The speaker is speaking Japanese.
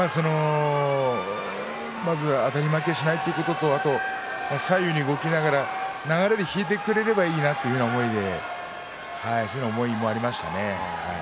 まずはあたり負けしないということと左右に動きながら流れで引いてくれればいいなという思いそういう思いもありましたね。